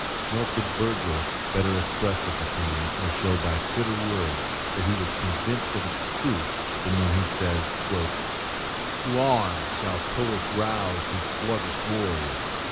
Nor could Virgil better express this opinion, or show by fitter words that he was convinced of its truth than, when he says:— "To arms shall Tullus rouse His sluggish warriors."